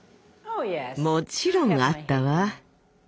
もちろんあったわ。